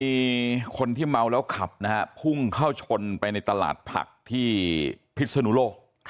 มีคนที่เมาแล้วขับนะฮะพุ่งเข้าชนไปในตลาดผักที่พิศนุโลก